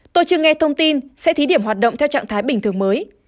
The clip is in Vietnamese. tôi chưa nghe thông tin sẽ thí điểm hoạt động theo trạng thái bình thường mới